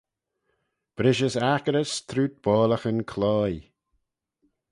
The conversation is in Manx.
Brishys accyrys trooid boallaghyn cloaie